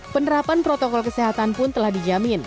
penerapan protokol kesehatan pun telah dijamin